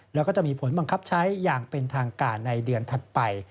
แล้วก็จะมีผลบังคับใช้อย่างเป็นทางการในเดือนถัดไป